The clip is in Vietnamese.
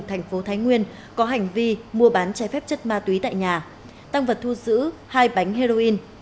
thành phố thái nguyên có hành vi mua bán trái phép chất ma túy tại nhà tăng vật thu giữ hai bánh heroin